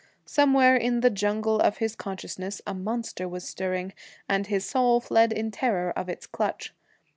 Somewhere in the jungle of his consciousness a monster was stirring, and his soul fled in terror of its clutch.